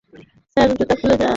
Sir, জুতা খুলে যান।